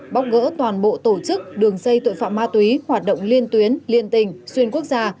bóc gỡ toàn bộ tổ chức đường dây tội phạm ma túy hoạt động liên tuyến liên tình xuyên quốc gia